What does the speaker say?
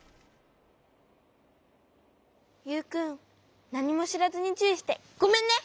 ユウくんなにもしらずにちゅういしてごめんね。